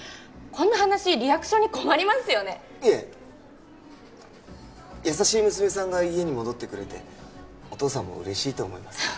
こんな話リアクションに困りますよねいえ優しい娘さんが家に戻ってくれてお父さんも嬉しいと思いますよ